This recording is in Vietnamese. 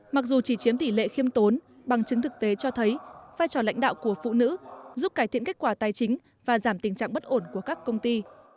mặc dù chỉ chiếm tỷ lệ khiêm tốn bằng chứng thực tế cho thấy vai trò lãnh đạo của phụ nữ giúp cải thiện kết quả tài chính và giảm tình trạng bất ổn của các công ty